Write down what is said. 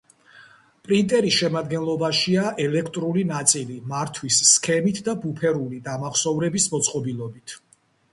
პრინტერის შემადგენლობაშია ელექტრული ნაწილი მართვის სქემით და ბუფერული დამახსოვრების მოწყობილობით.